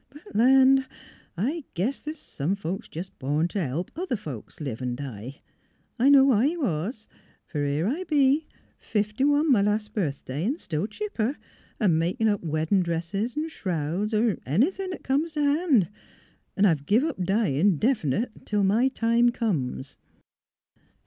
But, land! I guess 360 THE HEART OF PHILURA th's some folks jes' born t' help other folks live an' die. I know I was; for here I be — fifty one, m' las' birthday, an' still chipper, — a making up wedd'n dresses an' shrouds, er anythin' 'at comes t' han'. 'N' I've give up dyin', definite, till my time comes."